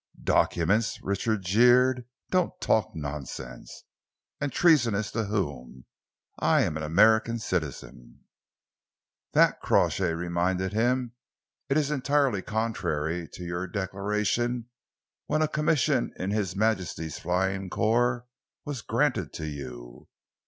"Documents?" Richard jeered. "Don't talk nonsense! And treasonous to whom? I am an American citizen." "That," Crawshay reminded him, "is entirely contrary to your declaration when a commission in His Majesty's Flying Corps was granted to you.